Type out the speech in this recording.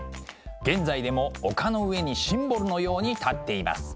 現在でも丘の上にシンボルのように立っています。